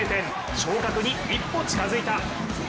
昇格に一歩近づいた。